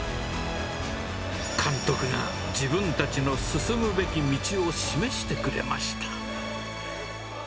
監督が自分たちの進むべき道を示してくれました。